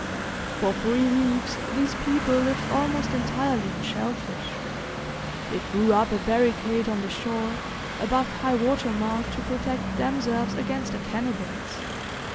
For three weeks these people lived almost entirely on shellfish. They threw up a barricade on the shore, above high water mark, to protect themselves against the cannibals.